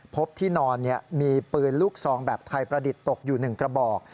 พบที่นอนมีปืนลูกซองแบบไทยประดิษฐ์ตกอยู่๑กระบอก